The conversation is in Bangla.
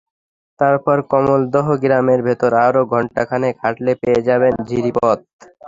তারপর কমলদহ গ্রামের ভেতর আরও ঘণ্টা খানেক হাঁটলে পেয়ে যাবেন ঝিরিপথ।